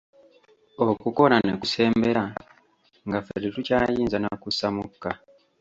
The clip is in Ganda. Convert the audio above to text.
Okukoona ne kusembera nga ffe titukyayinza na kussa mukka.